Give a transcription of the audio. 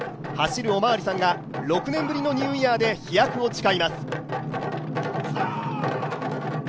走るおまわりさんが６年ぶりのニューイヤーで飛躍を誓います。